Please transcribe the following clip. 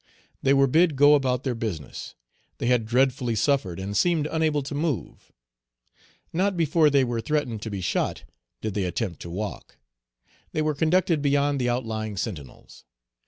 They were bid go about their business. They had dreadfully suffered, and seemed unable to move. Not before they were threatened to be shot did they attempt to walk. Page 199 They were conducted beyond the outlying sentinels.